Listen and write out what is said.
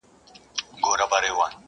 د خیال پر ښار مي لکه ستوری ځلېدلې٫